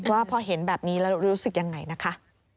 ว่าพอเห็นแบบนี้แล้วรู้สึกยังไงนะคะ